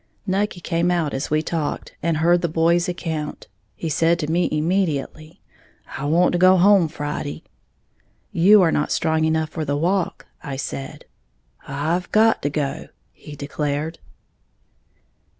Nucky came out as we talked, and heard the boy's account. He said to me immediately, "I want to go home Friday." "You are not strong enough for the walk," I said. "I've got to go," he declared.